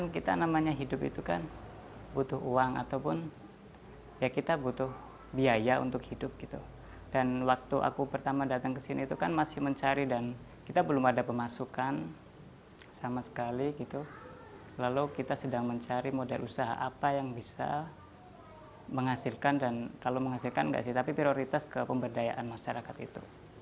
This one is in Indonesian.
kita menghasilkan dan kalau menghasilkan enggak sih tapi prioritas ke pemberdayaan masyarakat itu